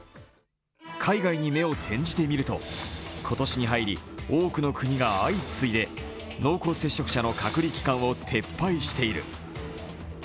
海外に目を転じてみると、今年に入り、多くの国が相次いで濃厚接触者の隔離期間を撤廃している。